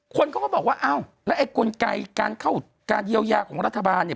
คนก็บอกว่าอ้าวแล้วไอ้กุญไกรการเยียวยาของรัฐบาลเนี่ย